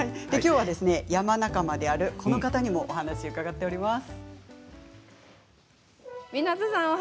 山仲間であるこの方にもお話を伺っています。